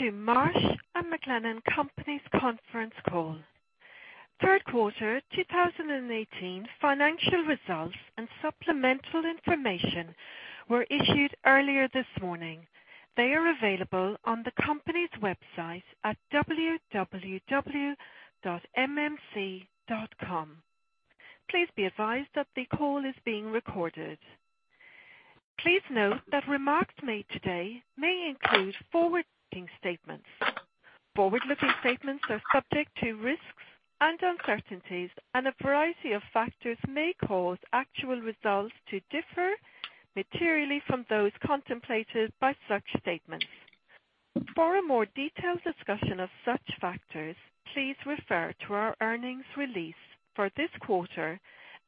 Welcome to Marsh & McLennan Companies conference call. Third quarter 2018 financial results and supplemental information were issued earlier this morning. They are available on the company's website at www.mmc.com. Please be advised that the call is being recorded. Please note that remarks made today may include forward-looking statements. Forward-looking statements are subject to risks and uncertainties, and a variety of factors may cause actual results to differ materially from those contemplated by such statements. For a more detailed discussion of such factors, please refer to our earnings release for this quarter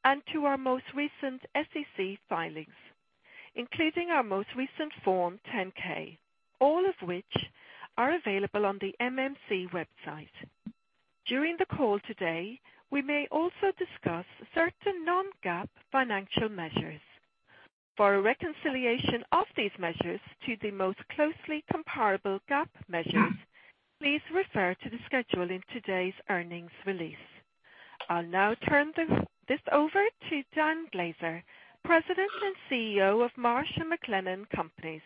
and to our most recent SEC filings, including our most recent Form 10-K, all of which are available on the MMC website. During the call today, we may also discuss certain non-GAAP financial measures. For a reconciliation of these measures to the most closely comparable GAAP measures, please refer to the schedule in today's earnings release. I'll now turn this over to Dan Glaser, President and CEO of Marsh & McLennan Companies.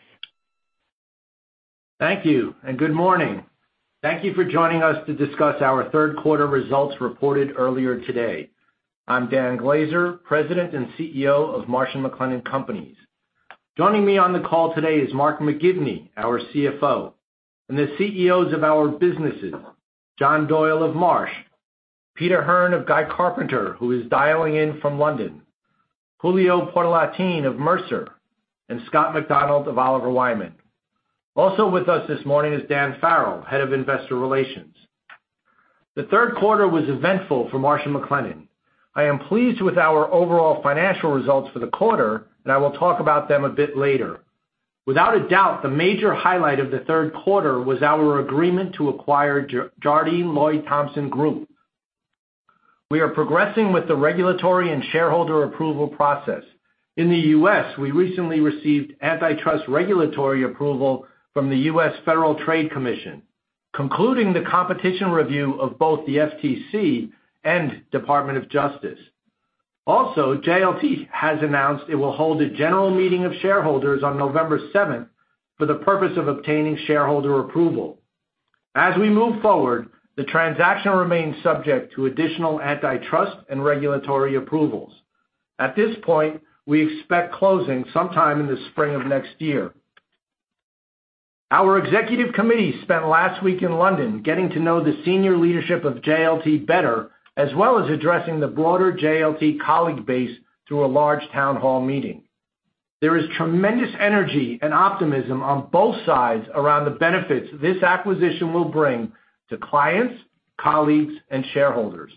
Thank you, and good morning. Thank you for joining us to discuss our third quarter results reported earlier today. I'm Dan Glaser, President and CEO of Marsh & McLennan Companies. Joining me on the call today is Mark McGivney, our CFO, and the CEOs of our businesses, John Doyle of Marsh, Peter Hearn of Guy Carpenter, who is dialing in from London, Julio Portalatin of Mercer, and Scott McDonald of Oliver Wyman. Also with us this morning is Dan Farrell, Head of Investor Relations. The third quarter was eventful for Marsh & McLennan. I am pleased with our overall financial results for the quarter, and I will talk about them a bit later. Without a doubt, the major highlight of the third quarter was our agreement to acquire Jardine Lloyd Thompson Group. We are progressing with the regulatory and shareholder approval process. In the U.S., we recently received antitrust regulatory approval from the U.S. Federal Trade Commission, concluding the competition review of both the FTC and Department of Justice. JLT has announced it will hold a general meeting of shareholders on November 7th for the purpose of obtaining shareholder approval. We move forward, the transaction remains subject to additional antitrust and regulatory approvals. At this point, we expect closing sometime in the spring of next year. Our executive committee spent last week in London getting to know the senior leadership of JLT better, as well as addressing the broader JLT colleague base through a large town hall meeting. There is tremendous energy and optimism on both sides around the benefits this acquisition will bring to clients, colleagues, and shareholders.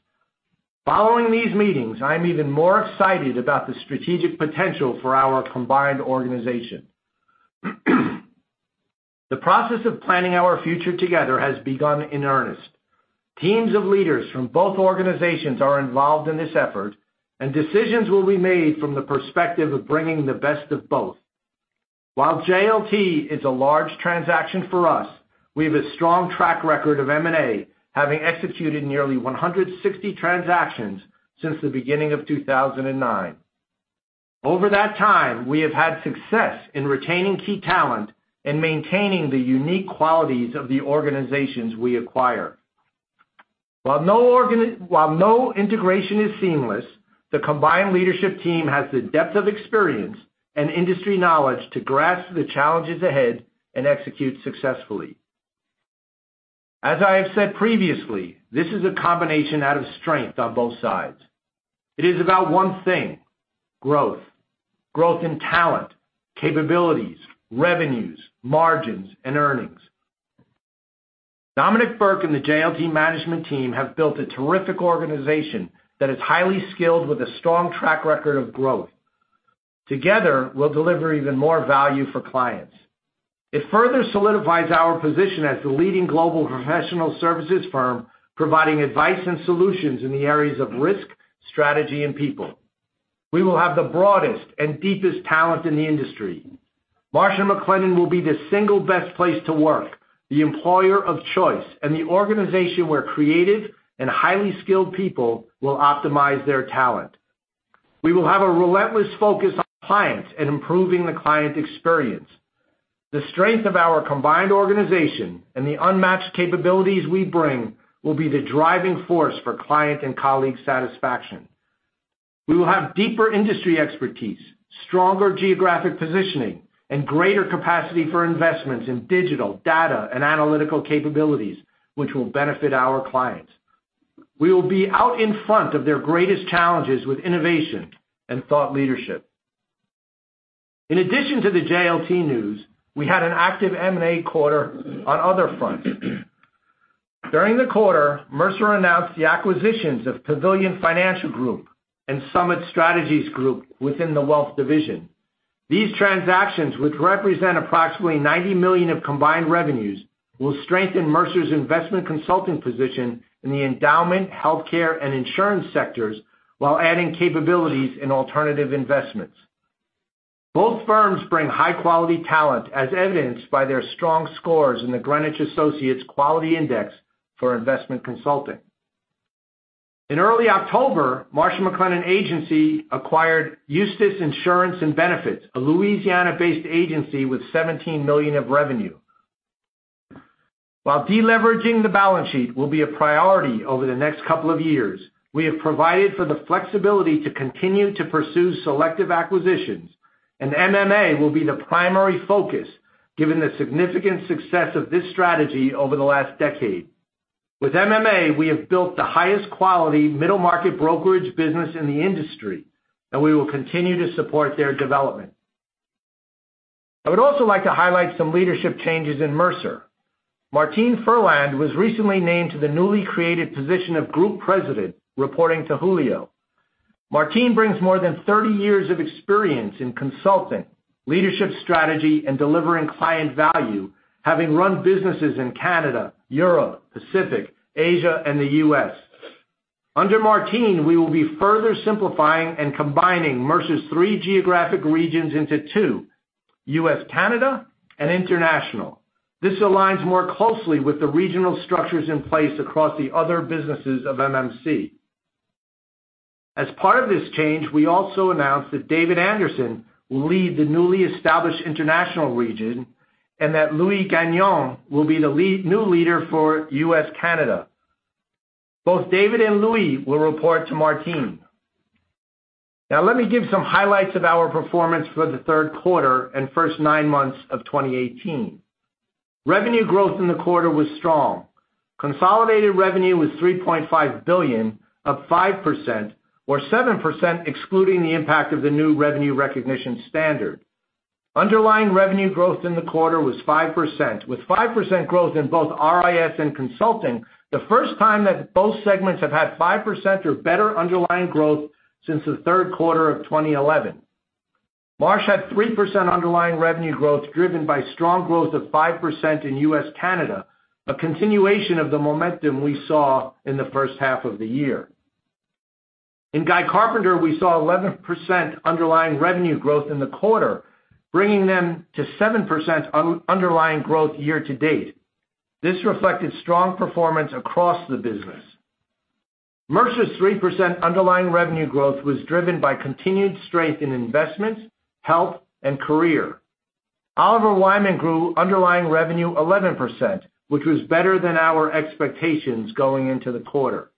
Following these meetings, I'm even more excited about the strategic potential for our combined organization. The process of planning our future together has begun in earnest. Teams of leaders from both organizations are involved in this effort. Decisions will be made from the perspective of bringing the best of both. While JLT is a large transaction for us, we have a strong track record of M&A, having executed nearly 160 transactions since the beginning of 2009. Over that time, we have had success in retaining key talent and maintaining the unique qualities of the organizations we acquire. While no integration is seamless, the combined leadership team has the depth of experience and industry knowledge to grasp the challenges ahead and execute successfully. As I have said previously, this is a combination out of strength on both sides. It is about one thing: growth. Growth in talent, capabilities, revenues, margins, and earnings. Dominic Burke and the JLT management team have built a terrific organization that is highly skilled with a strong track record of growth. Together, we'll deliver even more value for clients. It further solidifies our position as the leading global professional services firm, providing advice and solutions in the areas of risk, strategy, and people. We will have the broadest and deepest talent in the industry. Marsh & McLennan will be the single best place to work, the employer of choice, and the organization where creative and highly skilled people will optimize their talent. We will have a relentless focus on clients and improving the client experience. The strength of our combined organization and the unmatched capabilities we bring will be the driving force for client and colleague satisfaction. We will have deeper industry expertise, stronger geographic positioning, and greater capacity for investments in digital, data, and analytical capabilities, which will benefit our clients. We will be out in front of their greatest challenges with innovation and thought leadership. In addition to the JLT news, we had an active M&A quarter on other fronts. During the quarter, Mercer announced the acquisitions of Pavilion Financial Group and Summit Strategies Group within the wealth division. These transactions, which represent approximately $90 million of combined revenues, will strengthen Mercer's investment consulting position in the endowment, healthcare, and insurance sectors, while adding capabilities in alternative investments. Both firms bring high-quality talent, as evidenced by their strong scores in the Greenwich Associates Quality Index for investment consulting. In early October, Marsh McLennan Agency acquired Eustis Insurance & Benefits, a Louisiana-based agency with $17 million of revenue. While de-leveraging the balance sheet will be a priority over the next couple of years, we have provided for the flexibility to continue to pursue selective acquisitions. MMA will be the primary focus given the significant success of this strategy over the last decade. With MMA, we have built the highest quality middle-market brokerage business in the industry, and we will continue to support their development. I would also like to highlight some leadership changes in Mercer. Martine Ferland was recently named to the newly created position of Group President, reporting to Julio. Martine brings more than 30 years of experience in consulting, leadership strategy, and delivering client value, having run businesses in Canada, Europe, Pacific, Asia, and the U.S. Under Martine, we will be further simplifying and combining Mercer's three geographic regions into two: U.S./Canada and International. This aligns more closely with the regional structures in place across the other businesses of MMC. As part of this change, we also announced that David Anderson will lead the newly established International region, and that Louis Gagnon will be the new leader for U.S./Canada. Both David and Louis will report to Martine. Now, let me give some highlights of our performance for the third quarter and first nine months of 2018. Revenue growth in the quarter was strong. Consolidated revenue was $3.5 billion, up 5%, or 7%, excluding the impact of the new revenue recognition standard. Underlying revenue growth in the quarter was 5%, with 5% growth in both RIS and consulting, the first time that both segments have had 5% or better underlying growth since the third quarter of 2011. Marsh had 3% underlying revenue growth, driven by strong growth of 5% in U.S./Canada, a continuation of the momentum we saw in the first half of the year. In Guy Carpenter, we saw 11% underlying revenue growth in the quarter, bringing them to 7% underlying growth year to date. This reflected strong performance across the business. Mercer's 3% underlying revenue growth was driven by continued strength in investments, health, and career. Oliver Wyman grew underlying revenue 11%, which was better than our expectations going into the quarter.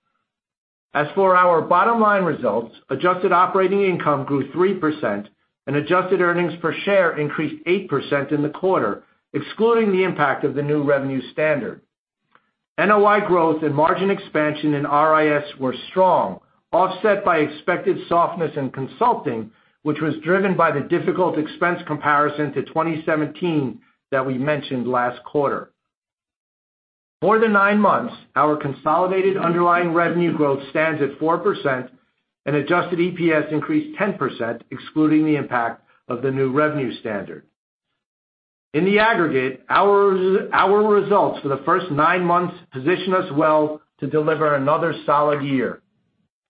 As for our bottom line results, adjusted operating income grew 3%, and adjusted earnings per share increased 8% in the quarter, excluding the impact of the new revenue standard. NOI growth and margin expansion in RIS were strong, offset by expected softness in consulting, which was driven by the difficult expense comparison to 2017 that we mentioned last quarter. More than nine months, our consolidated underlying revenue growth stands at 4%, and adjusted EPS increased 10%, excluding the impact of the new revenue standard. In the aggregate, our results for the first nine months position us well to deliver another solid year.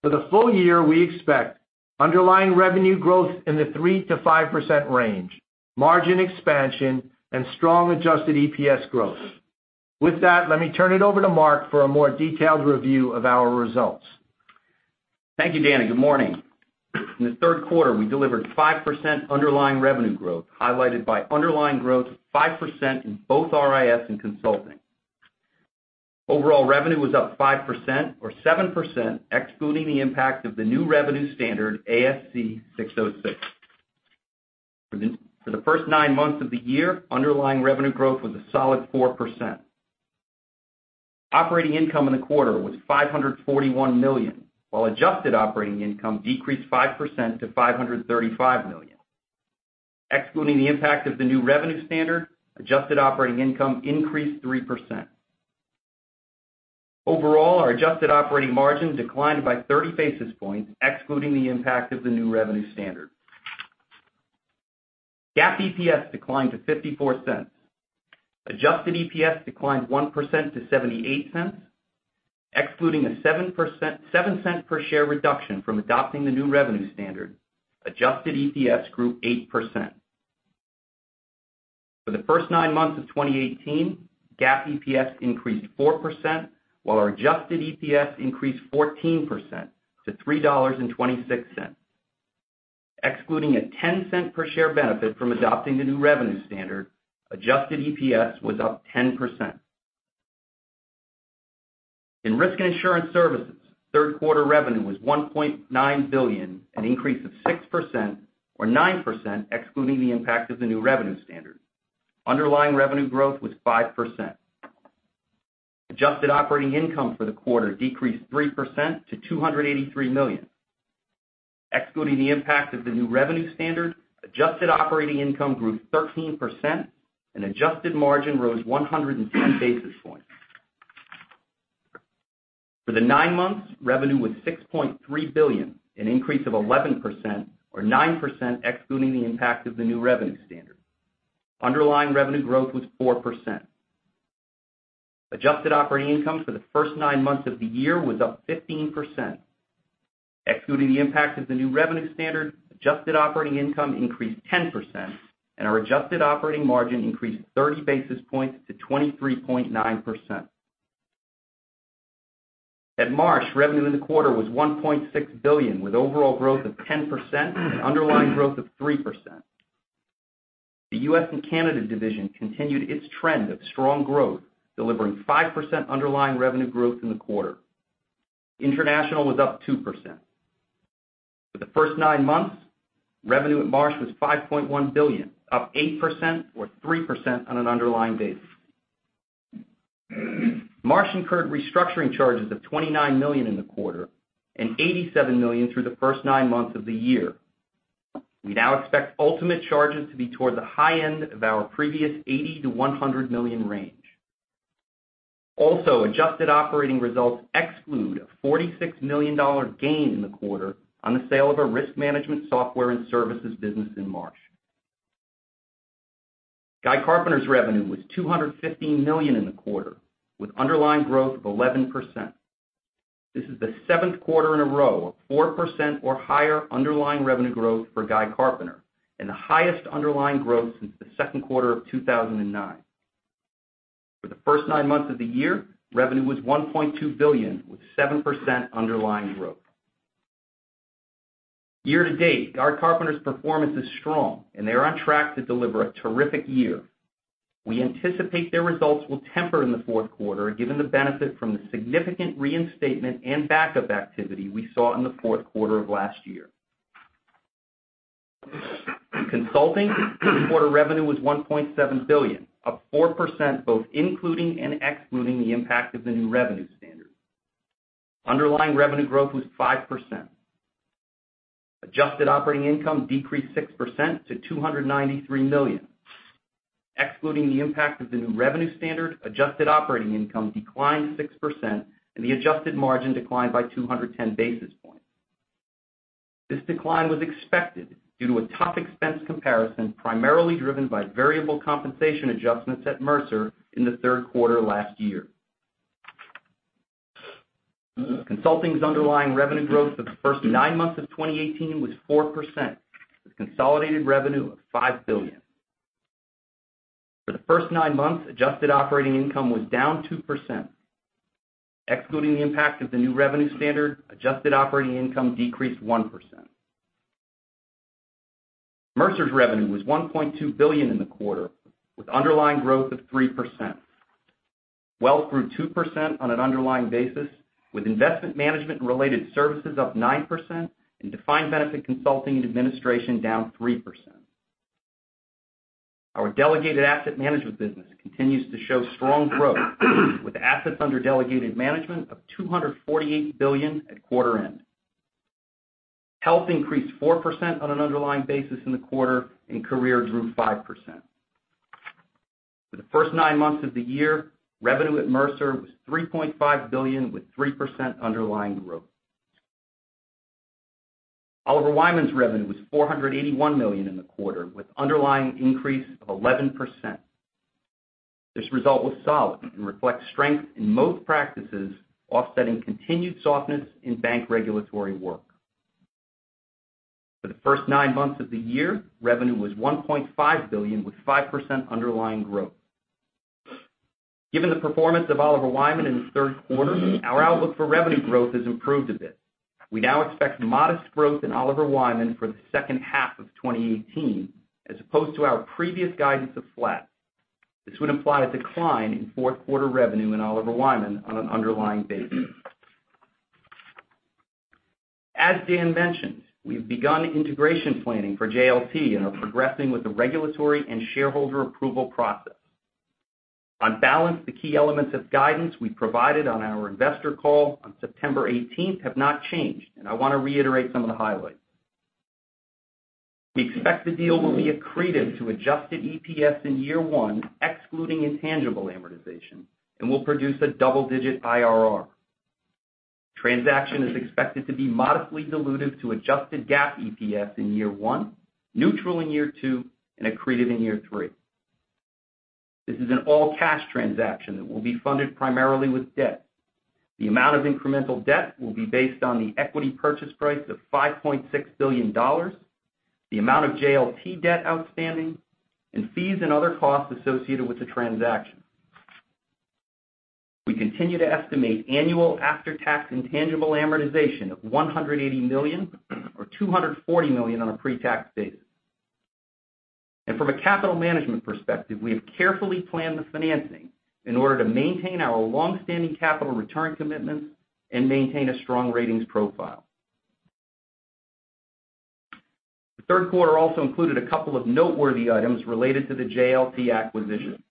For the full year, we expect underlying revenue growth in the 3%-5% range, margin expansion, and strong adjusted EPS growth. With that, let me turn it over to Mark for a more detailed review of our results. Thank you, Danny. Good morning. In the third quarter, we delivered 5% underlying revenue growth, highlighted by underlying growth of 5% in both RIS and consulting. Overall revenue was up 5%, or 7%, excluding the impact of the new revenue standard, ASC 606. For the first nine months of the year, underlying revenue growth was a solid 4%. Operating income in the quarter was $541 million, while adjusted operating income decreased 5% to $535 million. Excluding the impact of the new revenue standard, adjusted operating income increased 3%. Overall, our adjusted operating margin declined by 30 basis points, excluding the impact of the new revenue standard. GAAP EPS declined to $0.54. Adjusted EPS declined 1% to $0.78. Excluding a $0.07 per share reduction from adopting the new revenue standard, adjusted EPS grew 8%. For the first nine months of 2018, GAAP EPS increased 4%, while our adjusted EPS increased 14% to $3.26. Excluding a $0.10 per share benefit from adopting the new revenue standard, adjusted EPS was up 10%. In Risk and Insurance Services, third quarter revenue was $1.9 billion, an increase of 6%, or 9%, excluding the impact of the new revenue standard. Underlying revenue growth was 5%. Adjusted operating income for the quarter decreased 3% to $283 million. Excluding the impact of the new revenue standard, adjusted operating income grew 13%, and adjusted margin rose 110 basis points. For the nine months, revenue was $6.3 billion, an increase of 11%, or 9%, excluding the impact of the new revenue standard. Underlying revenue growth was 4%. Adjusted operating income for the first nine months of the year was up 15%. Excluding the impact of the new revenue standard, adjusted operating income increased 10%, and our adjusted operating margin increased 30 basis points to 23.9%. At Marsh, revenue in the quarter was $1.6 billion, with overall growth of 10% and underlying growth of 3%. The U.S. and Canada division continued its trend of strong growth, delivering 5% underlying revenue growth in the quarter. International was up 2%. For the first nine months, revenue at Marsh was $5.1 billion, up 8%, or 3% on an underlying basis. Marsh incurred restructuring charges of $29 million in the quarter and $87 million through the first nine months of the year. We now expect ultimate charges to be toward the high end of our previous $80 million-$100 million range. Also, adjusted operating results exclude a $46 million gain in the quarter on the sale of our risk management software and services business in Marsh. Guy Carpenter's revenue was $215 million in the quarter, with underlying growth of 11%. This is the seventh quarter in a row of 4% or higher underlying revenue growth for Guy Carpenter, and the highest underlying growth since the second quarter of 2009. For the first nine months of the year, revenue was $1.2 billion, with 7% underlying growth. Year to date, Guy Carpenter's performance is strong, and they are on track to deliver a terrific year. We anticipate their results will temper in the fourth quarter, given the benefit from the significant reinstatement and backup activity we saw in the fourth quarter of last year. Consulting quarter revenue was $1.7 billion, up 4% both including and excluding the impact of the new revenue standard. Underlying revenue growth was 5%. Adjusted operating income decreased 6% to $293 million. Excluding the impact of the new revenue standard, adjusted operating income declined 6%, and the adjusted margin declined by 210 basis points. This decline was expected due to a tough expense comparison, primarily driven by variable compensation adjustments at Mercer in the third quarter last year. Consulting's underlying revenue growth for the first nine months of 2018 was 4%, with consolidated revenue of $5 billion. For the first nine months, adjusted operating income was down 2%. Excluding the impact of the new revenue standard, adjusted operating income decreased 1%. Mercer's revenue was $1.2 billion in the quarter, with underlying growth of 3%. Wealth grew 2% on an underlying basis, with investment management and related services up 9%, and defined benefit consulting and administration down 3%. Our delegated asset management business continues to show strong growth with assets under delegated management of $248 billion at quarter end. Health increased 4% on an underlying basis in the quarter. Career grew 5%. For the first nine months of the year, revenue at Mercer was $3.5 billion, with 3% underlying growth. Oliver Wyman's revenue was $481 million in the quarter, with underlying increase of 11%. This result was solid and reflects strength in most practices, offsetting continued softness in bank regulatory work. For the first nine months of the year, revenue was $1.5 billion, with 5% underlying growth. Given the performance of Oliver Wyman in the third quarter, our outlook for revenue growth has improved a bit. We now expect modest growth in Oliver Wyman for the second half of 2018, as opposed to our previous guidance of flat. This would imply a decline in fourth quarter revenue in Oliver Wyman on an underlying basis. As Dan mentioned, we've begun integration planning for JLT and are progressing with the regulatory and shareholder approval process. On balance, the key elements of guidance we provided on our investor call on September 18th have not changed. I want to reiterate some of the highlights. We expect the deal will be accretive to adjusted EPS in year one, excluding intangible amortization, and will produce a double-digit IRR. Transaction is expected to be modestly dilutive to adjusted GAAP EPS in year one, neutral in year two, and accretive in year three. This is an all-cash transaction that will be funded primarily with debt. The amount of incremental debt will be based on the equity purchase price of $5.6 billion, the amount of JLT debt outstanding, and fees and other costs associated with the transaction. We continue to estimate annual after-tax intangible amortization of $180 million, or $240 million on a pre-tax basis. From a capital management perspective, we have carefully planned the financing in order to maintain our long-standing capital return commitments and maintain a strong ratings profile. The third quarter also included a couple of noteworthy items related to the JLT acquisition.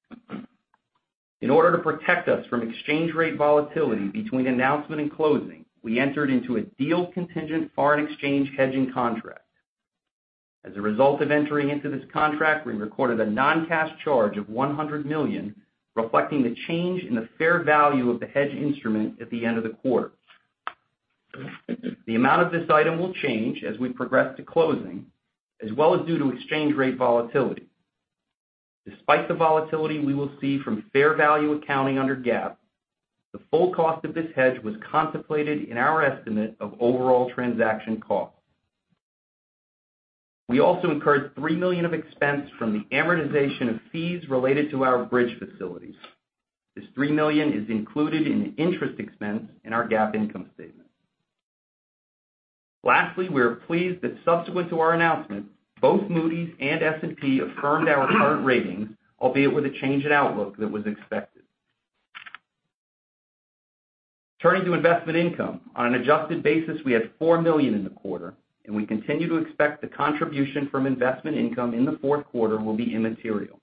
In order to protect us from exchange rate volatility between announcement and closing, we entered into a deal-contingent foreign exchange hedging contract. As a result of entering into this contract, we recorded a non-cash charge of $100 million, reflecting the change in the fair value of the hedge instrument at the end of the quarter. The amount of this item will change as we progress to closing, as well as due to exchange rate volatility. Despite the volatility we will see from fair value accounting under GAAP, the full cost of this hedge was contemplated in our estimate of overall transaction costs. We also incurred $3 million of expense from the amortization of fees related to our bridge facilities. This $3 million is included in the interest expense in our GAAP income statement. Lastly, we are pleased that subsequent to our announcement, both Moody's and S&P affirmed our current ratings, albeit with a change in outlook that was expected. Turning to investment income. On an adjusted basis, we had $4 million in the quarter. We continue to expect the contribution from investment income in the fourth quarter will be immaterial.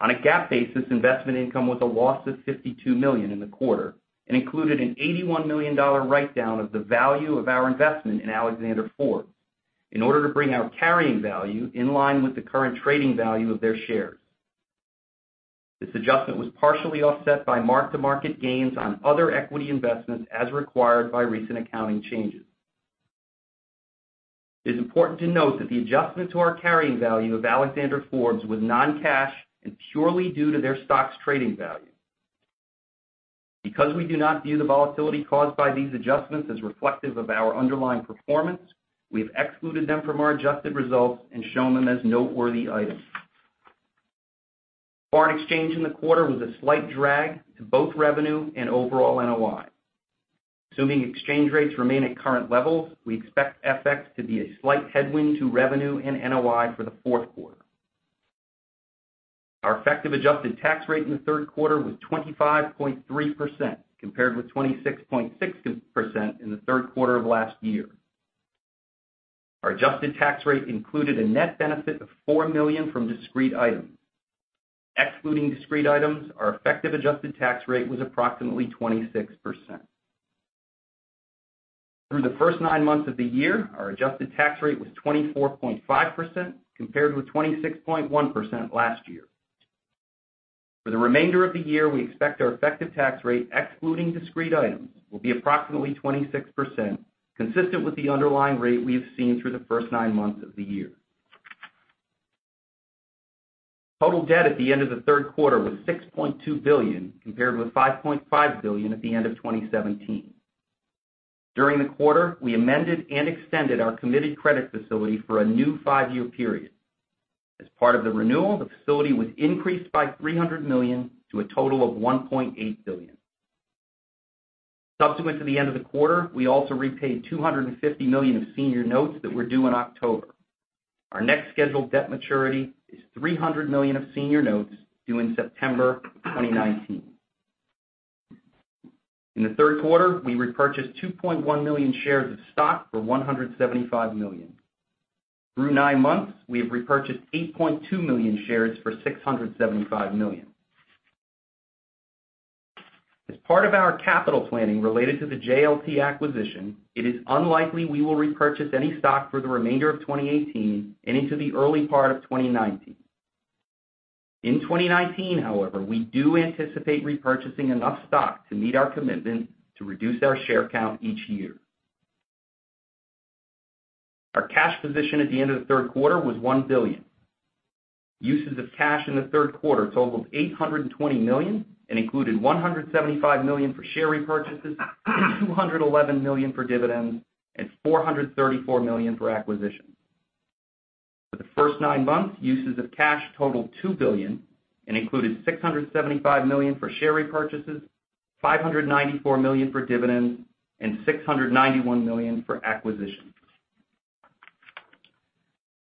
On a GAAP basis, investment income was a loss of $52 million in the quarter and included an $81 million write-down of the value of our investment in Alexander Forbes in order to bring our carrying value in line with the current trading value of their shares. This adjustment was partially offset by mark-to-market gains on other equity investments as required by recent accounting changes. It is important to note that the adjustment to our carrying value of Alexander Forbes was non-cash and purely due to their stock's trading value. Because we do not view the volatility caused by these adjustments as reflective of our underlying performance, we have excluded them from our adjusted results and shown them as noteworthy items. Foreign exchange in the quarter was a slight drag to both revenue and overall NOI. Assuming exchange rates remain at current levels, we expect FX to be a slight headwind to revenue and NOI for the fourth quarter. Our effective adjusted tax rate in the third quarter was 25.3%, compared with 26.6% in the third quarter of last year. Our adjusted tax rate included a net benefit of $4 million from discrete items. Excluding discrete items, our effective adjusted tax rate was approximately 26%. Through the first nine months of the year, our adjusted tax rate was 24.5%, compared with 26.1% last year. For the remainder of the year, we expect our effective tax rate, excluding discrete items, will be approximately 26%, consistent with the underlying rate we have seen through the first nine months of the year. Total debt at the end of the third quarter was $6.2 billion, compared with $5.5 billion at the end of 2017. During the quarter, we amended and extended our committed credit facility for a new five-year period. As part of the renewal, the facility was increased by $300 million to a total of $1.8 billion. Subsequent to the end of the quarter, we also repaid $250 million of senior notes that were due in October. Our next scheduled debt maturity is $300 million of senior notes due in September 2019. In the third quarter, we repurchased 2.1 million shares of stock for $175 million. Through nine months, we have repurchased 8.2 million shares for $675 million. As part of our capital planning related to the JLT acquisition, it is unlikely we will repurchase any stock for the remainder of 2018 and into the early part of 2019. In 2019, however, we do anticipate repurchasing enough stock to meet our commitment to reduce our share count each year. Our cash position at the end of the third quarter was $1 billion. Uses of cash in the third quarter totaled $820 million and included $175 million for share repurchases, $211 million for dividends, and $434 million for acquisitions. For the first nine months, uses of cash totaled $2 billion and included $675 million for share repurchases, $594 million for dividends, and $691 million for acquisitions.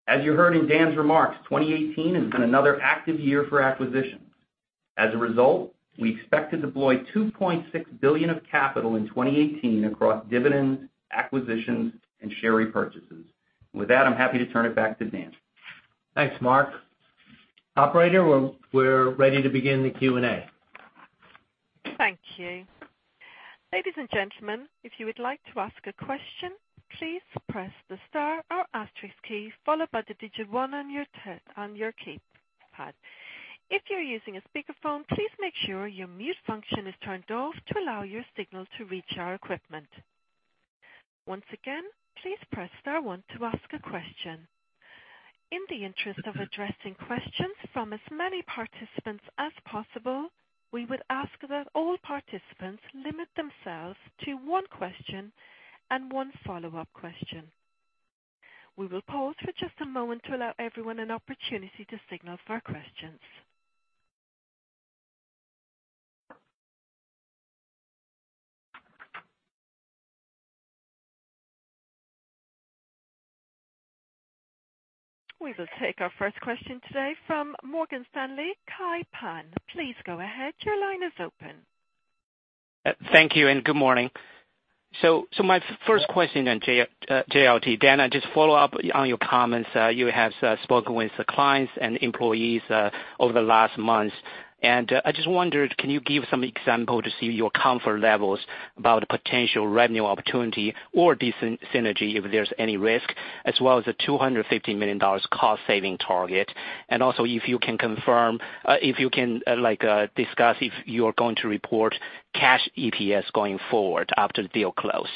As you heard in Dan's remarks, 2018 has been another active year for acquisitions. As a result, we expect to deploy $2.6 billion of capital in 2018 across dividends, acquisitions, and share repurchases. With that, I'm happy to turn it back to Dan. Thanks, Mark. Operator, we're ready to begin the Q&A. Thank you. Ladies and gentlemen, if you would like to ask a question, please press the star or asterisk key, followed by the digit 1 on your keypad. If you're using a speakerphone, please make sure your mute function is turned off to allow your signal to reach our equipment. Once again, please press star 1 to ask a question. In the interest of addressing questions from as many participants as possible, we would ask that all participants limit themselves to one question and one follow-up question. We will pause for just a moment to allow everyone an opportunity to signal for questions. We will take our first question today from Morgan Stanley, Kai Pan. Please go ahead. Your line is open. Thank you, and good morning. My first question on JLT. Dan, I just follow up on your comments. You have spoken with the clients and employees over the last months, and I just wondered, can you give some example to see your comfort levels about potential revenue opportunity or decent synergy, if there's any risk, as well as the $250 million cost-saving target? Also, if you can discuss if you're going to report cash EPS going forward after the deal close?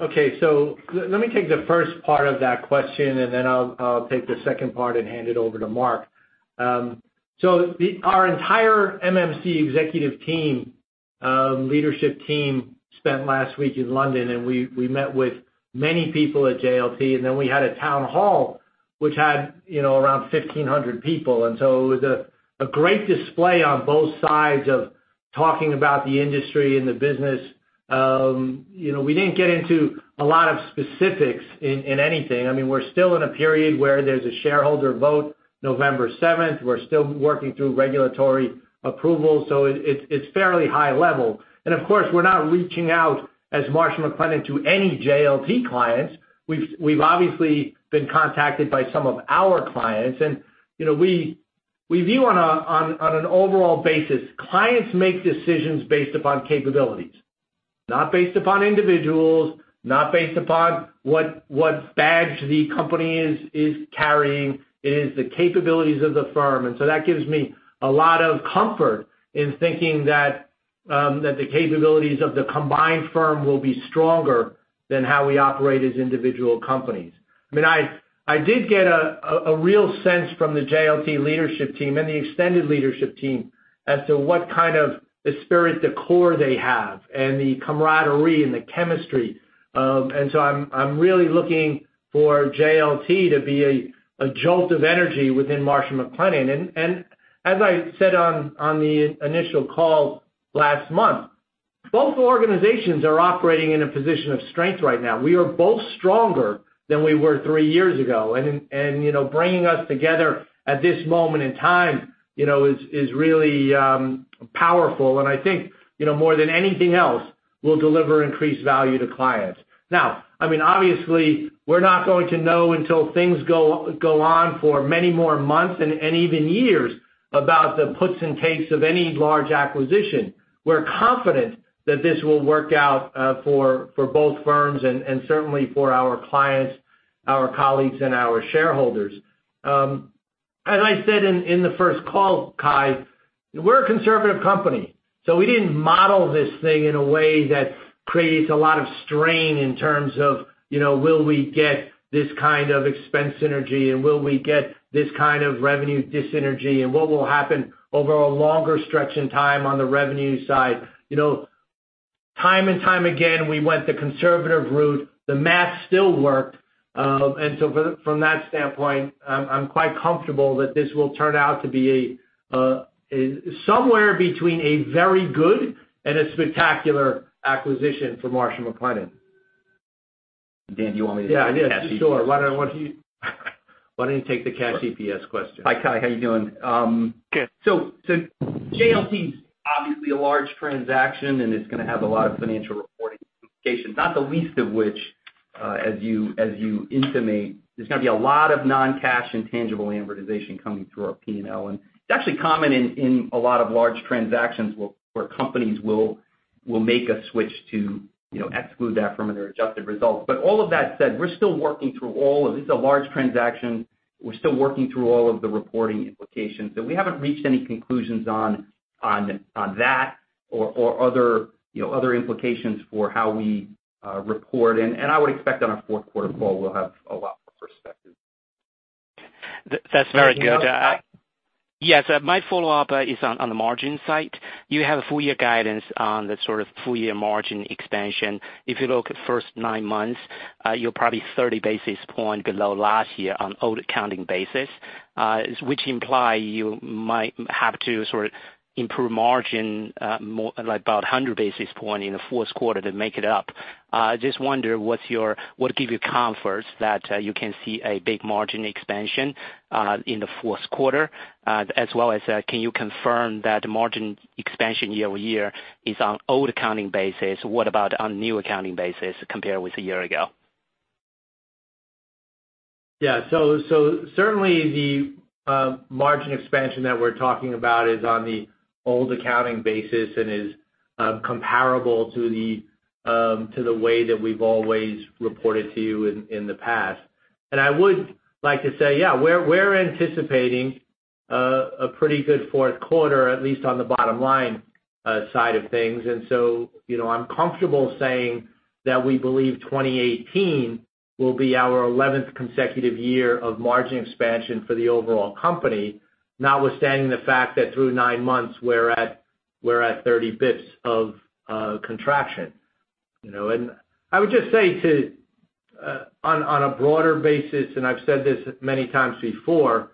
Okay. Let me take the first part of that question, and then I'll take the second part and hand it over to Mark. Our entire MMC executive team, leadership team, spent last week in London, and we met with many people at JLT, and then we had a town hall which had around 1,500 people. It was a great display on both sides of talking about the industry and the business. We didn't get into a lot of specifics in anything. We're still in a period where there's a shareholder vote November 7th. We're still working through regulatory approval, so it's fairly high level. Of course, we're not reaching out, as Marsh & McLennan, to any JLT clients. We've obviously been contacted by some of our clients. We view on an overall basis, clients make decisions based upon capabilities, not based upon individuals, not based upon what badge the company is carrying. It is the capabilities of the firm. That gives me a lot of comfort in thinking that the capabilities of the combined firm will be stronger than how we operate as individual companies. I did get a real sense from the JLT leadership team and the extended leadership team as to what kind of esprit de corps they have and the camaraderie and the chemistry. I'm really looking for JLT to be a jolt of energy within Marsh & McLennan. As I said on the initial call last month, both organizations are operating in a position of strength right now. We are both stronger than we were three years ago. Bringing us together at this moment in time is really powerful, and I think, more than anything else, will deliver increased value to clients. Obviously, we're not going to know until things go on for many more months and even years about the puts and takes of any large acquisition. We're confident that this will work out for both firms and certainly for our clients, our colleagues, and our shareholders. As I said in the first call, Kai, we're a conservative company, so we didn't model this thing in a way that creates a lot of strain in terms of will we get this kind of expense synergy, will we get this kind of revenue dissynergy, what will happen over a longer stretch in time on the revenue side? Time and time again, we went the conservative route. The math still worked. From that standpoint, I'm quite comfortable that this will turn out to be somewhere between a very good and a spectacular acquisition for Marsh & McLennan. Dan, do you want me to take the cash EPS question? Yeah, sure. Why don't you take the cash EPS question? Hi, Kai. How you doing? Good. JLT's obviously a large transaction, and it's going to have a lot of financial reporting implications, not the least of which, as you intimate, there's going to be a lot of non-cash intangible amortization coming through our P&L. It's actually common in a lot of large transactions where companies will make a switch to exclude that from their adjusted results. All of that said, this is a large transaction. We're still working through all of the reporting implications. We haven't reached any conclusions on that or other implications for how we report. I would expect on our fourth quarter call, we'll have a lot more perspective. That's very good. Anything else, Kai? Yes. My follow-up is on the margin side. You have a full year guidance on the full year margin expansion. If you look at first nine months, you're probably 30 basis points below last year on old accounting basis, which imply you might have to improve margin by about 100 basis points in the fourth quarter to make it up. I just wonder what give you comfort that you can see a big margin expansion in the fourth quarter, as well as can you confirm that margin expansion year-over-year is on old accounting basis? What about on new accounting basis compared with a year ago? Yeah. Certainly the margin expansion that we're talking about is on the old accounting basis and is comparable to the way that we've always reported to you in the past. I would like to say, yeah, we're anticipating a pretty good fourth quarter, at least on the bottom line side of things. I'm comfortable saying that we believe 2018 will be our 11th consecutive year of margin expansion for the overall company, notwithstanding the fact that through nine months, we're at 30 basis points of contraction. I would just say on a broader basis, and I've said this many times before,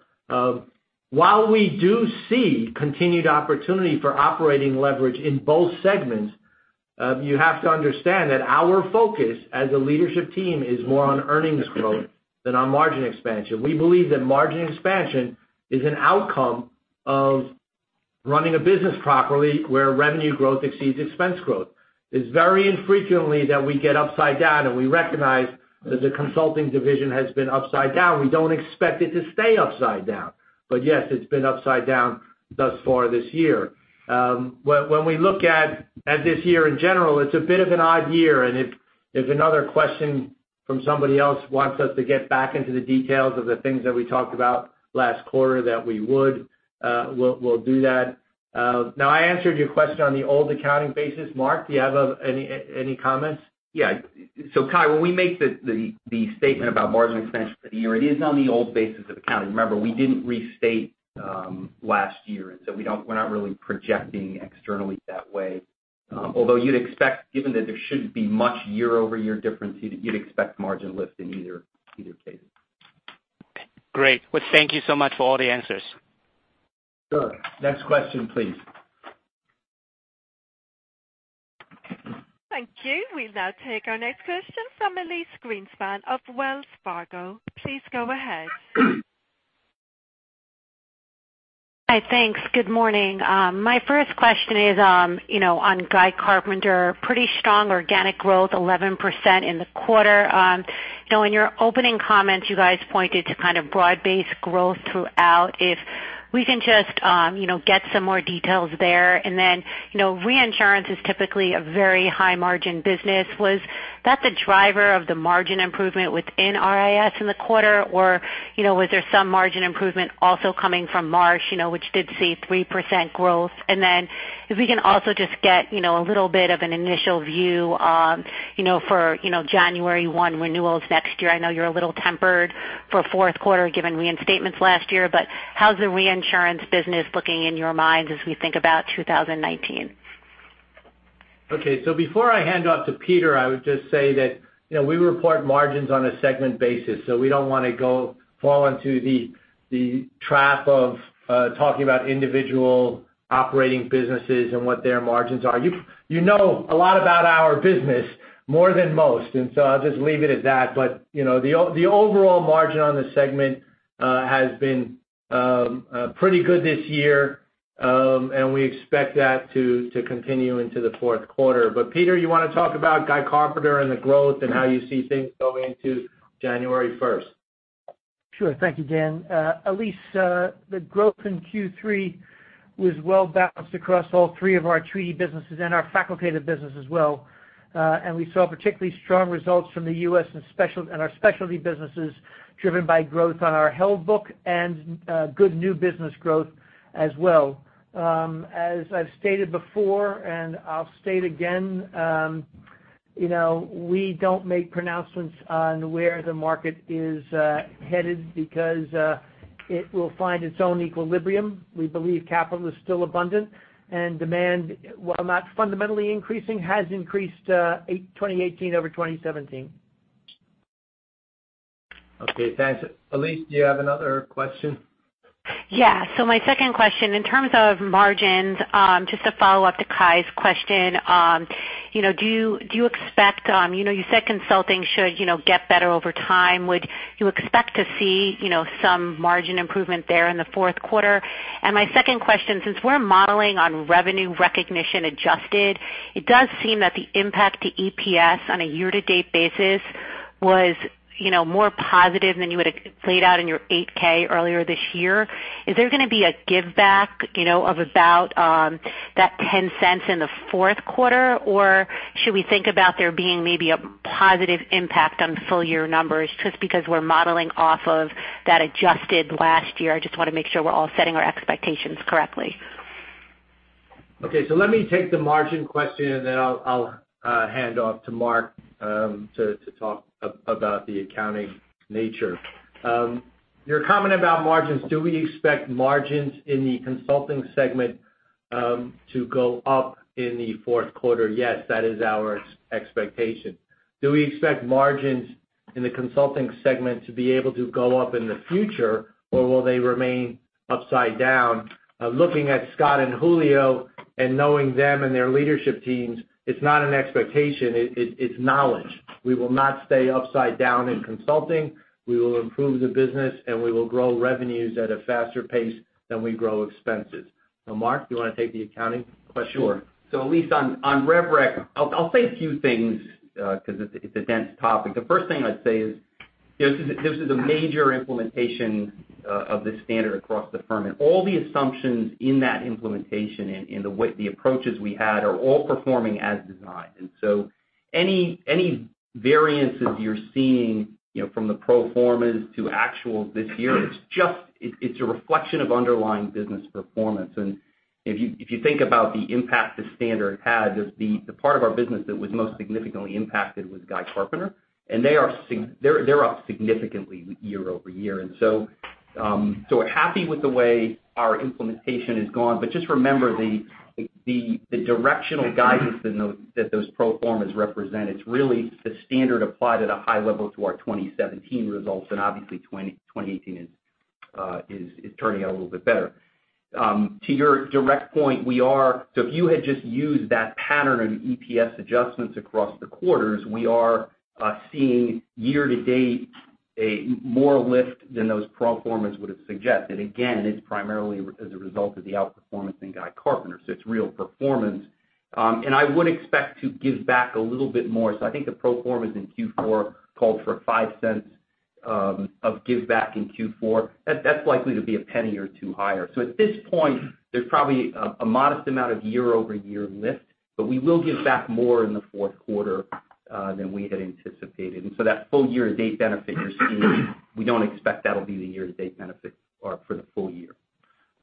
while we do see continued opportunity for operating leverage in both segments, you have to understand that our focus as a leadership team is more on earnings growth than on margin expansion. We believe that margin expansion is an outcome of running a business properly where revenue growth exceeds expense growth. It's very infrequently that we get upside down. We recognize that the consulting division has been upside down. We don't expect it to stay upside down. Yes, it's been upside down thus far this year. When we look at this year in general, it's a bit of an odd year. If another question from somebody else wants us to get back into the details of the things that we talked about last quarter that we would, we'll do that. I answered your question on the old accounting basis. Mark, do you have any comments? Yeah. Kai, when we make the statement about margin expansion for the year, it is on the old basis of accounting. Remember, we didn't restate last year, we're not really projecting externally that way. Although you'd expect, given that there shouldn't be much year-over-year difference, you'd expect margin lift in either case. Great. Well, thank you so much for all the answers. Sure. Next question, please. Thank you. We'll now take our next question from Elyse Greenspan of Wells Fargo. Please go ahead. Hi, thanks. Good morning. My first question is on Guy Carpenter. Pretty strong organic growth, 11% in the quarter. In your opening comments, you guys pointed to kind of broad-based growth throughout. If we can just get some more details there. Reinsurance is typically a very high margin business. Was that the driver of the margin improvement within RIS in the quarter? Or was there some margin improvement also coming from Marsh which did see 3% growth? If we can also just get a little bit of an initial view for January 1 renewals next year. I know you're a little tempered for fourth quarter given reinstatements last year, but how's the reinsurance business looking in your minds as we think about 2019? Okay. Before I hand off to Peter, I would just say that we report margins on a segment basis. We don't want to fall into the trap of talking about individual operating businesses and what their margins are. You know a lot about our business, more than most. I'll just leave it at that. The overall margin on the segment has been pretty good this year. We expect that to continue into the fourth quarter. Peter, you want to talk about Guy Carpenter and the growth and how you see things going into January 1st? Sure. Thank you, Dan. Elyse, the growth in Q3 was well-balanced across all three of our treaty businesses and our facultative business as well. We saw particularly strong results from the U.S. and our specialty businesses driven by growth on our held book and good new business growth as well. As I've stated before, and I'll state again, we don't make pronouncements on where the market is headed because it will find its own equilibrium. We believe capital is still abundant, and demand, while not fundamentally increasing, has increased 2018 over 2017. Okay, thanks. Elyse, do you have another question? Yeah. My second question, in terms of margins, just to follow up to Kai's question. You said consulting should get better over time. Would you expect to see some margin improvement there in the fourth quarter? My second question, since we're modeling on revenue recognition adjusted, it does seem that the impact to EPS on a year-to-date basis was more positive than you would have laid out in your 8-K earlier this year. Is there going to be a give back of about that $0.10 in the fourth quarter? Or should we think about there being maybe a positive impact on full-year numbers just because we're modeling off of that adjusted last year? I just want to make sure we're all setting our expectations correctly. Okay. Let me take the margin question, and then I'll hand off to Mark to talk about the accounting nature. Your comment about margins, do we expect margins in the consulting segment to go up in the fourth quarter? Yes, that is our expectation. Do we expect margins in the consulting segment to be able to go up in the future or will they remain upside down? Looking at Scott and Julio and knowing them and their leadership teams, it's not an expectation. It's knowledge. We will not stay upside down in consulting. We will improve the business, and we will grow revenues at a faster pace than we grow expenses. Mark, do you want to take the accounting question? Sure. Elyse, on rev rec, I'll say a few things because it's a dense topic. The first thing I'd say is this is a major implementation of the standard across the firm, and all the assumptions in that implementation and the approaches we had are all performing as designed. Any variances you're seeing from the pro formas to actual this year, it's a reflection of underlying business performance. If you think about the impact the standard had, the part of our business that was most significantly impacted was Guy Carpenter, and they're up significantly year-over-year. We're happy with the way our implementation has gone. Just remember the directional guidance that those pro formas represent, it's really the standard applied at a high level to our 2017 results, and obviously 2018 is turning out a little bit better. To your direct point, if you had just used that pattern of EPS adjustments across the quarters, we are seeing year-to-date more lift than those pro formas would have suggested. Again, it's primarily as a result of the outperformance in Guy Carpenter. It's real performance. I would expect to give back a little bit more. I think the pro formas in Q4 called for $0.05 of give back in Q4. That's likely to be a penny or two higher. At this point, there's probably a modest amount of year-over-year lift, but we will give back more in the fourth quarter than we had anticipated. That full-year-to-date benefit you're seeing, we don't expect that'll be the year-to-date benefit for the full-year.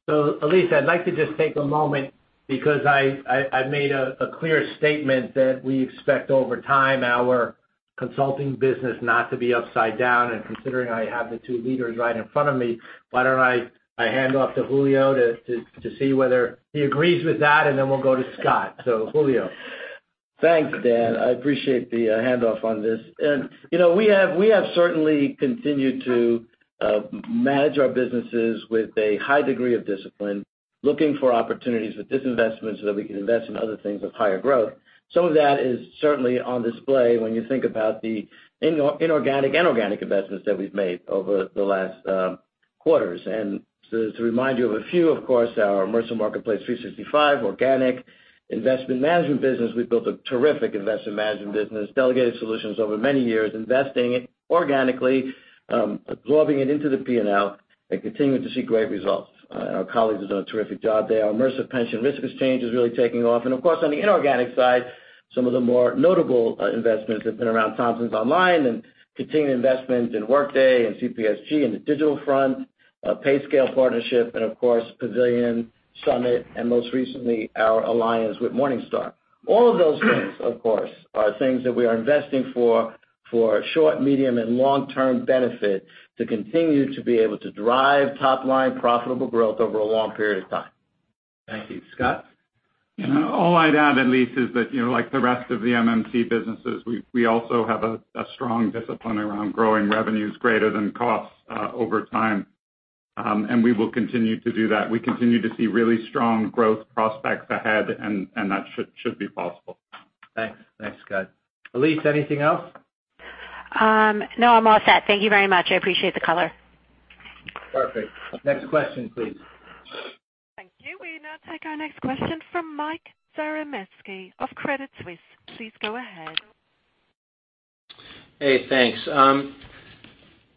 Elyse, I'd like to just take a moment because I made a clear statement that we expect over time our consulting business not to be upside down, and considering I have the two leaders right in front of me, why don't I hand off to Julio to see whether he agrees with that, and then we'll go to Scott. Julio. Thanks, Dan. I appreciate the handoff on this. We have certainly continued to manage our businesses with a high degree of discipline, looking for opportunities with disinvestment so that we can invest in other things with higher growth. Some of that is certainly on display when you think about the inorganic and organic investments that we've made over the last quarters. To remind you of a few, of course, our Mercer Marketplace 365 organic investment management business. We've built a terrific investment management business, delegated solutions over many years, investing organically, absorbing it into the P&L, and continuing to see great results. Our colleagues have done a terrific job there. Our Mercer Pension Risk Exchange is really taking off. Of course, on the inorganic side, some of the more notable investments have been around Thomsons Online and continued investments in Workday and CPSG in the digital front, PayScale partnership, and of course, Pavilion, Summit, and most recently, our alliance with Morningstar. All of those things, of course, are things that we are investing for short, medium, and long-term benefit to continue to be able to drive top-line profitable growth over a long period of time. Thank you. Scott? All I'd add, Elyse, is that like the rest of the MMC businesses, we also have a strong discipline around growing revenues greater than costs over time. We will continue to do that. We continue to see really strong growth prospects ahead, and that should be possible. Thanks, Scott. Elyse, anything else? No, I'm all set. Thank you very much. I appreciate the color. Perfect. Next question, please. Thank you. We now take our next question from Mike Zaremski of Credit Suisse. Please go ahead. Hey, thanks.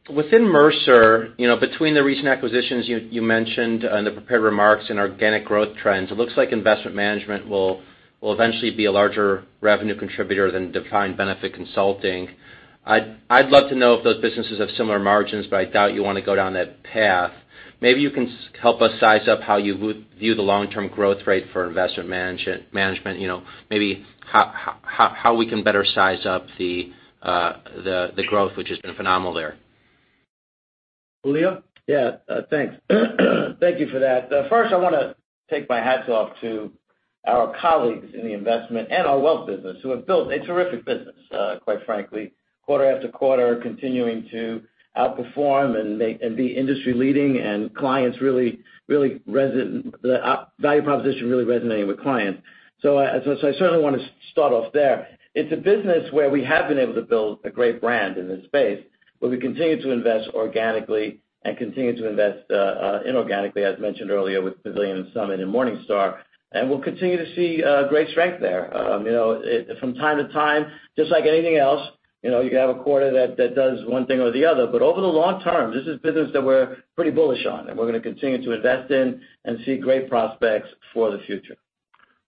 Within Mercer, between the recent acquisitions you mentioned in the prepared remarks and organic growth trends, it looks like investment management will eventually be a larger revenue contributor than defined benefit consulting. I'd love to know if those businesses have similar margins, I doubt you want to go down that path. Maybe you can help us size up how you would view the long-term growth rate for investment management. Maybe how we can better size up the growth, which has been phenomenal there. Julio? Yeah. Thanks. Thank you for that. First, I want to take my hats off to our colleagues in the investment and our wealth business who have built a terrific business, quite frankly, quarter after quarter, continuing to outperform and be industry leading and the value proposition really resonating with clients. I certainly want to start off there. It's a business where we have been able to build a great brand in this space, where we continue to invest organically and continue to invest inorganically, as mentioned earlier, with Pavilion and Summit and Morningstar. We'll continue to see great strength there. From time to time, just like anything else, you have a quarter that does one thing or the other. Over the long term, this is a business that we're pretty bullish on, and we're going to continue to invest in and see great prospects for the future.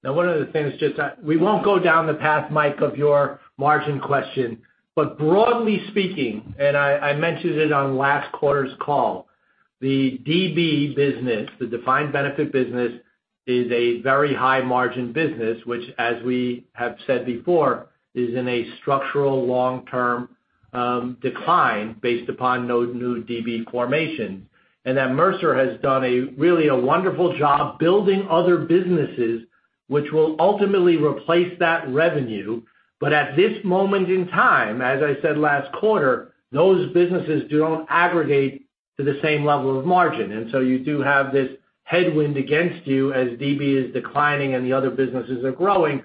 One of the things, just we won't go down the path, Mike, of your margin question, broadly speaking, I mentioned it on last quarter's call, the DB business, the defined benefit business, is a very high margin business, which as we have said before, is in a structural long-term decline based upon no new DB formations. Mercer has done a really wonderful job building other businesses which will ultimately replace that revenue. At this moment in time, as I said last quarter, those businesses don't aggregate to the same level of margin. You do have this headwind against you as DB is declining and the other businesses are growing.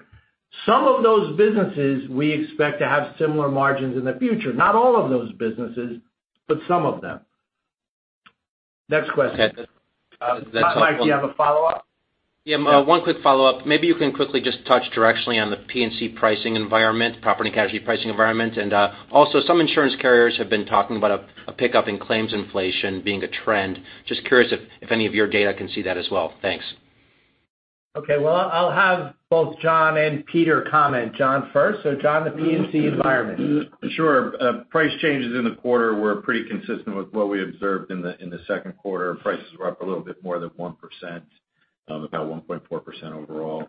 Some of those businesses we expect to have similar margins in the future. Not all of those businesses, but some of them. Next question. Okay. Mike, do you have a follow-up? Yeah, one quick follow-up. Maybe you can quickly just touch directionally on the P&C pricing environment, property and casualty pricing environment. Also, some insurance carriers have been talking about a pickup in claims inflation being a trend. Just curious if any of your data can see that as well. Thanks. Okay. Well, I'll have both John and Peter comment. John first. John, the P&C environment. Sure. Price changes in the quarter were pretty consistent with what we observed in the second quarter. Prices were up a little bit more than 1%, about 1.4% overall.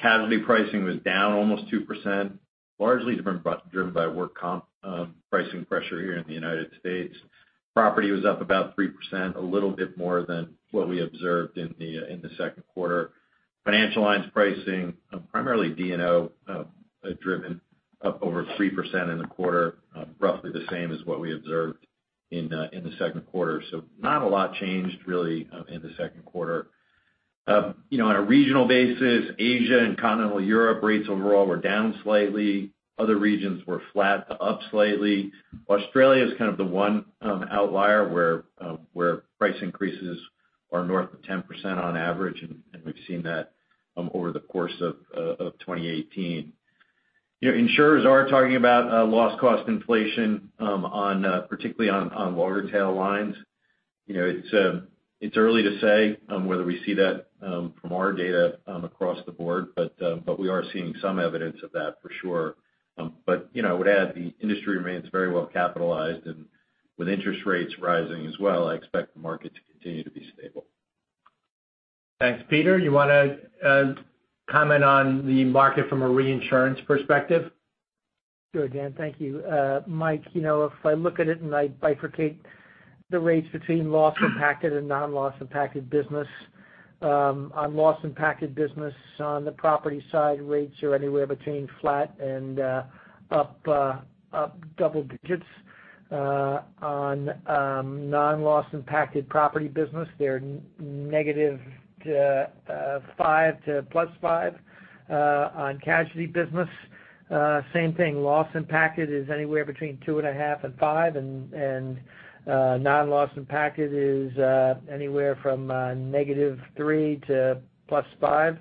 Casualty pricing was down almost 2%, largely driven by work comp pricing pressure here in the U.S. Property was up about 3%, a little bit more than what we observed in the second quarter. Financial lines pricing, primarily D&O driven up over 3% in the quarter, roughly the same as what we observed in the second quarter. Not a lot changed really in the second quarter. On a regional basis, Asia and Continental Europe rates overall were down slightly. Other regions were flat to up slightly. Australia is the one outlier where price increases are north of 10% on average, and we've seen that over the course of 2018. Insurers are talking about loss cost inflation, particularly on longer tail lines. It's early to say whether we see that from our data across the board, but we are seeing some evidence of that for sure. I would add the industry remains very well capitalized, and with interest rates rising as well, I expect the market to continue to be stable. Thanks. Peter, you want to comment on the market from a reinsurance perspective? Sure, Dan, thank you. Mike, if I look at it and I bifurcate the rates between loss-impacted and non-loss impacted business. On loss impacted business, on the property side, rates are anywhere between flat and up double digits. On non-loss impacted property business, they're negative 5 to +5. On casualty business, same thing. Loss impacted is anywhere between 2.5 and 5, and non-loss impacted is anywhere from negative 3 to +5.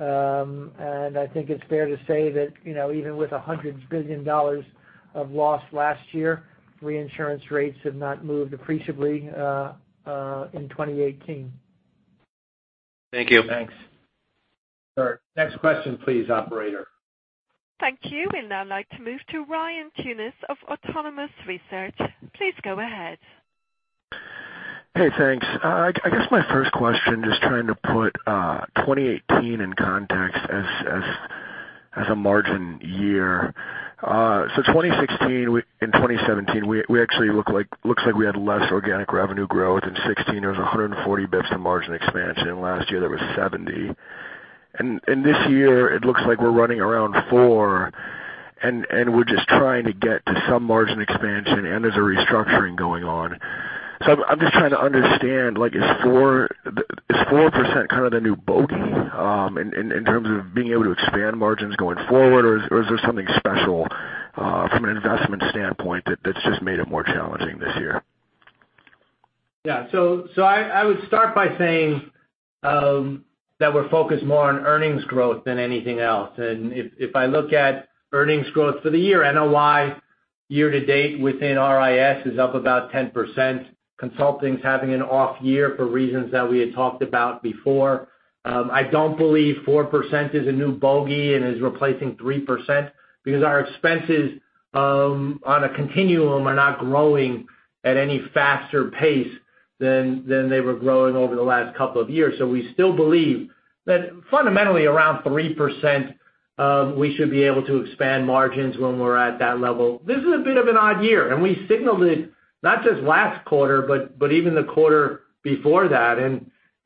I think it's fair to say that even with $100 billion of loss last year, reinsurance rates have not moved appreciably in 2018. Thank you. Thanks. All right, next question please, operator. Thank you. We'd now like to move to Ryan Tunis of Autonomous Research. Please go ahead. Hey, thanks. I guess my first question, just trying to put 2018 in context as a margin year. 2016 and 2017, it looks like we had less organic revenue growth. In 2016, there was 140 basis points of margin expansion. Last year, there was 70 basis points. This year it looks like we're running around 4%, and we're just trying to get to some margin expansion, and there's a restructuring going on. I'm just trying to understand, is 4% kind of the new bogey, in terms of being able to expand margins going forward? Or is there something special from an investment standpoint that's just made it more challenging this year? Yeah. I would start by saying that we're focused more on earnings growth than anything else. If I look at earnings growth for the year, NOI year to date within RIS is up about 10%. Consulting's having an off year for reasons that we had talked about before. I don't believe 4% is a new bogey and is replacing 3%, because our expenses on a continuum are not growing at any faster pace than they were growing over the last couple of years. We still believe that fundamentally around 3%, we should be able to expand margins when we're at that level. This is a bit of an odd year, and we signaled it not just last quarter, but even the quarter before that.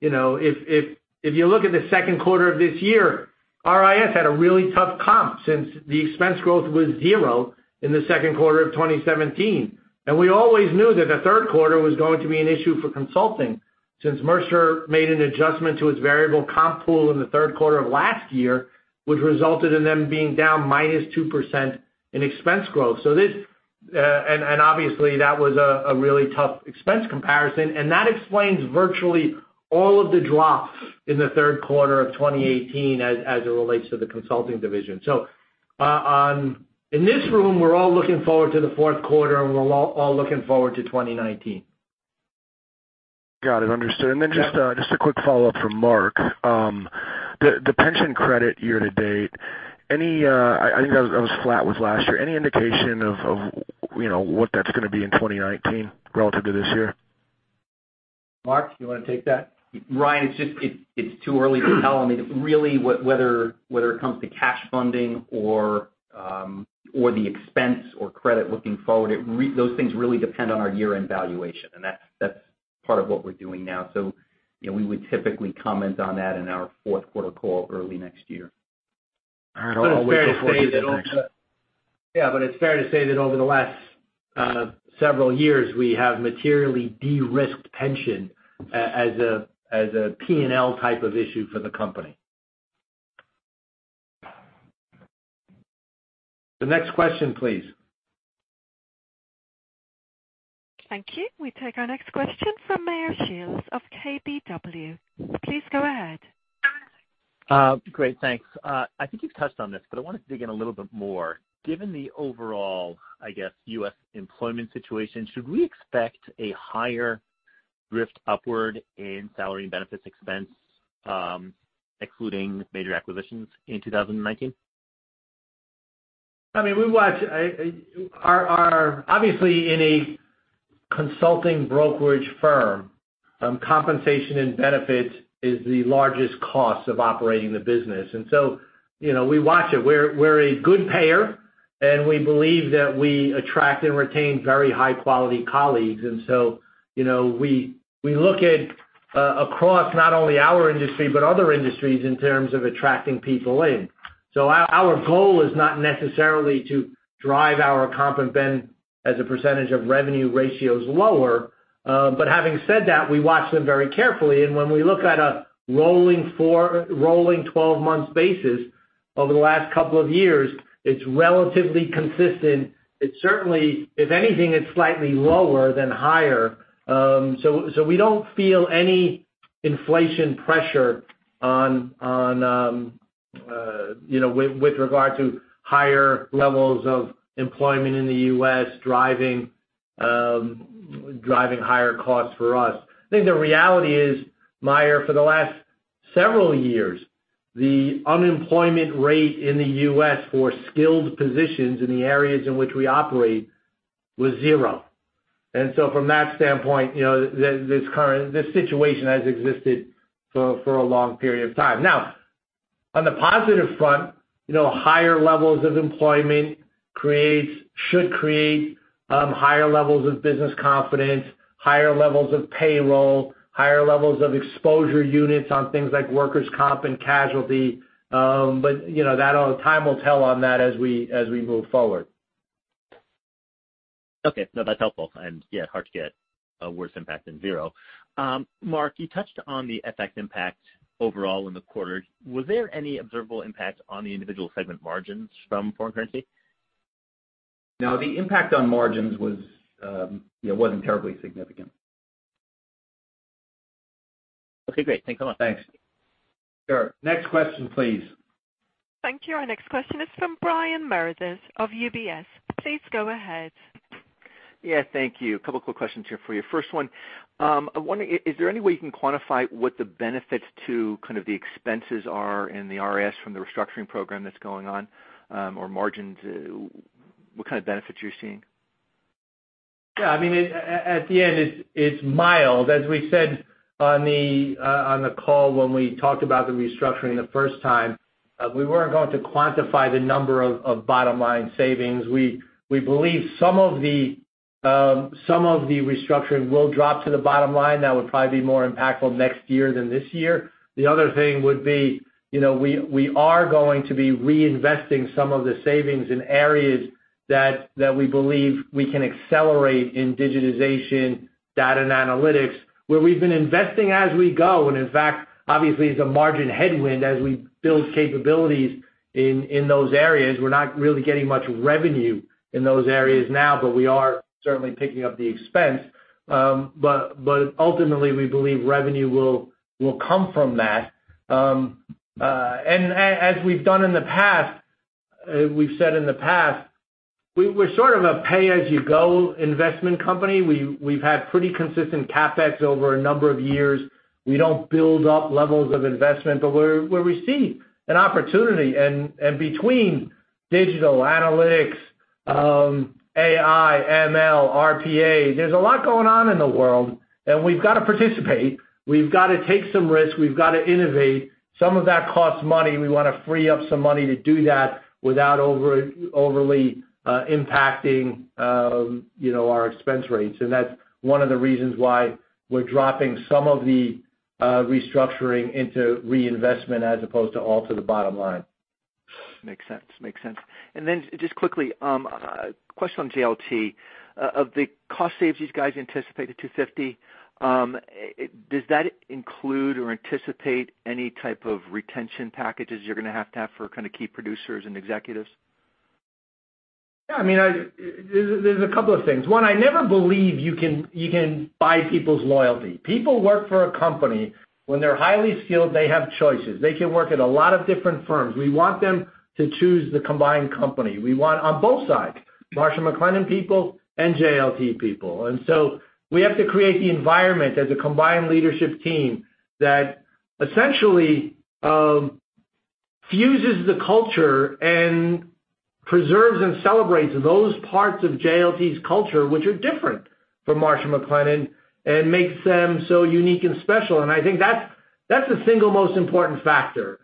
If you look at the second quarter of this year, RIS had a really tough comp since the expense growth was zero in the second quarter of 2017. We always knew that the third quarter was going to be an issue for consulting, since Mercer made an adjustment to its variable comp pool in the third quarter of last year, which resulted in them being down -2% in expense growth. Obviously, that was a really tough expense comparison, and that explains virtually all of the drops in the third quarter of 2018 as it relates to the consulting division. In this room, we're all looking forward to the fourth quarter, and we're all looking forward to 2019. Got it. Understood. Yeah. Just a quick follow-up from Mark. The pension credit year to date, I think that was flat with last year. Any indication of what that's going to be in 2019 relative to this year? Mark, you want to take that? Ryan, it's too early to tell. I mean, really whether it comes to cash funding or the expense or credit looking forward, those things really depend on our year-end valuation, and that's part of what we're doing now. We would typically comment on that in our fourth quarter call early next year. All right. I'll wait. It's fair to say that over the last several years, we have materially de-risked pension as a P&L type of issue for the company. The next question, please. Thank you. We take our next question from Meyer Shields of KBW. Please go ahead. Great. Thanks. I think you've touched on this, but I want to dig in a little bit more. Given the overall, I guess, U.S. employment situation, should we expect a higher drift upward in salary and benefits expense, excluding major acquisitions in 2019? Obviously in a consulting brokerage firm, compensation and benefits is the largest cost of operating the business. We watch it. We're a good payer, and we believe that we attract and retain very high-quality colleagues. We look at across not only our industry but other industries in terms of attracting people in. Our goal is not necessarily to drive our comp and ben as a % of revenue ratios lower. Having said that, we watch them very carefully, and when we look at a rolling 12-month basis over the last couple of years, it's relatively consistent. If anything, it's slightly lower than higher. We don't feel any inflation pressure with regard to higher levels of employment in the U.S. driving higher costs for us. I think the reality is, Meyer, for the last several years, the unemployment rate in the U.S. for skilled positions in the areas in which we operate was zero. From that standpoint, this situation has existed for a long period of time. On the positive front, higher levels of employment should create higher levels of business confidence, higher levels of payroll, higher levels of exposure units on things like workers' comp and casualty. Time will tell on that as we move forward. Okay. No, that's helpful. Yeah, hard to get a worse impact than zero. Mark, you touched on the FX impact overall in the quarter. Was there any observable impact on the individual segment margins from foreign currency? No, the impact on margins wasn't terribly significant. Okay, great. Thanks a lot. Thanks. Sure. Next question, please. Thank you. Our next question is from Brian Meredith of UBS. Please go ahead. Yeah, thank you. A couple quick questions here for you. First one, is there any way you can quantify what the benefits to kind of the expenses are in the RIS from the restructuring program that's going on, or margins? What kind of benefits are you seeing? Yeah, at the end, it's mild. As we said on the call when we talked about the restructuring the first time, we weren't going to quantify the number of bottom-line savings. We believe some of the restructuring will drop to the bottom line. That would probably be more impactful next year than this year. The other thing would be, we are going to be reinvesting some of the savings in areas that we believe we can accelerate in digitization, data, and analytics, where we've been investing as we go. In fact, obviously, it's a margin headwind as we build capabilities in those areas. We're not really getting much revenue in those areas now, but we are certainly picking up the expense. Ultimately, we believe revenue will come from that. As we've done in the past, we've said in the past, we're sort of a pay-as-you-go investment company. We've had pretty consistent CapEx over a number of years. We don't build up levels of investment, but where we see an opportunity, between digital analytics, AI, ML, RPA, there's a lot going on in the world, and we've got to participate. We've got to take some risks. We've got to innovate. Some of that costs money. We want to free up some money to do that without overly impacting our expense rates. That's one of the reasons why we're dropping some of the restructuring into reinvestment as opposed to all to the bottom line. Makes sense. Makes sense. Just quickly, a question on JLT. Of the cost saves you guys anticipated, $250, does that include or anticipate any type of retention packages you're going to have to have for kind of key producers and executives? Yeah, there's a couple of things. One, I never believe you can buy people's loyalty. People work for a company. When they're highly skilled, they have choices. They can work at a lot of different firms. We want them to choose the combined company. We want on both sides, Marsh & McLennan people and JLT people. So we have to create the environment as a combined leadership team that essentially fuses the culture and preserves and celebrates those parts of JLT's culture which are different from Marsh & McLennan and makes them so unique and special. I think that's the single most important factor.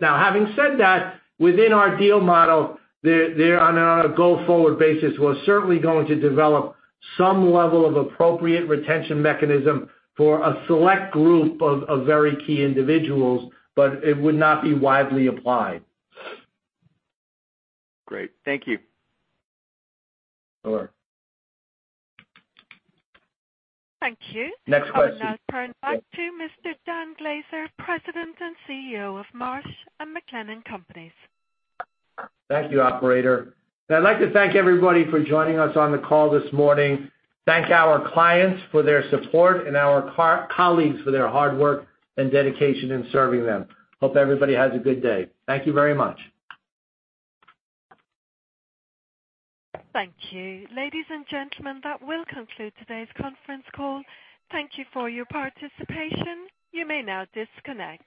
Now, having said that, within our deal model, on a go-forward basis, we're certainly going to develop some level of appropriate retention mechanism for a select group of very key individuals, but it would not be widely applied. Great. Thank you. Sure. Thank you. Next question. I will now turn back to Mr. Dan Glaser, President and CEO of Marsh & McLennan Companies. Thank you, operator. I'd like to thank everybody for joining us on the call this morning. Thank our clients for their support and our colleagues for their hard work and dedication in serving them. Hope everybody has a good day. Thank you very much. Thank you. Ladies and gentlemen, that will conclude today's conference call. Thank you for your participation. You may now disconnect.